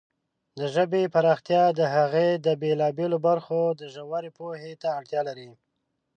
د ژبې پراختیا د هغې د بېلابېلو برخو د ژورې پوهې ته اړتیا لري.